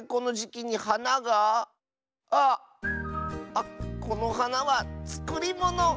あっこのはなはつくりもの！